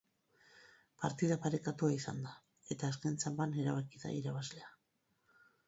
Partida parekatua izan da, eta azken txanpan erabaki da irabazlea.